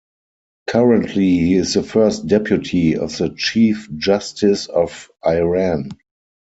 Currently he is the first deputy of the Chief Justice of Iran.